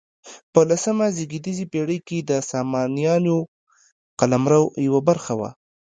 په لسمه زېږدیزې پیړۍ کې د سامانیانو قلمرو یوه برخه وه.